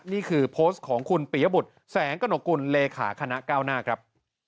นี่คือโพสต์ของคุณปียบุตรแสงกระหนกกุลเลขาคณะก้าวหน้าครับ